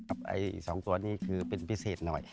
ไอ้๒ตัวนี้คือเป็นพิเศษหน่อย